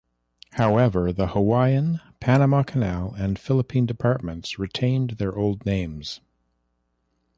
However, the Hawaiian, Panama Canal, and Philippine Departments retained their old names.